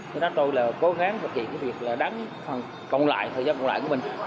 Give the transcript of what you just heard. do đó tôi là cố gắng thực hiện việc đánh phần công loại thời gian công loại của mình